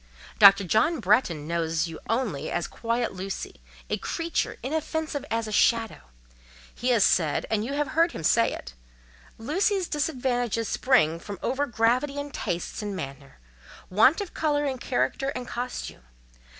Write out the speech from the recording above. Dr. John Bretton knows you only as 'quiet Lucy'—'a creature inoffensive as a shadow;' he has said, and you have heard him say it: 'Lucy's disadvantages spring from over gravity in tastes and manner—want of colour in character and costume.